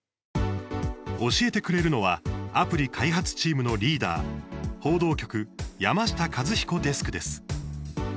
教えてくれるのはアプリ開発チームのリーダー報道局、山下和彦デスクです。